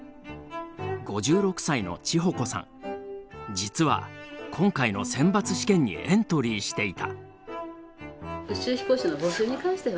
実は今回の選抜試験にエントリーしていた。